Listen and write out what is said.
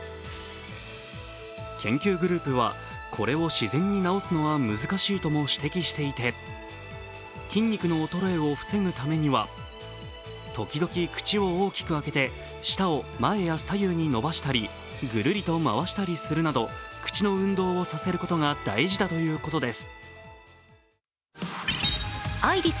研究グループはこれを自然に治すのは難しいとも指摘していて筋肉の衰えを防ぐためには時々口を大きく開けて舌を前や左右に伸ばしたりぐるりと回したりするなど口の運動をさせることが大事だということです